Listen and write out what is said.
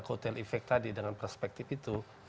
kotel efek tadi dengan perspektif itu